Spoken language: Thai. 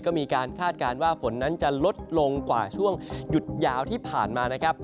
ก็มีการคาดการณ์ว่าฝนนั้นจะลดลงกว่าช่วงหยุดยาวที่ผ่านมานะครับ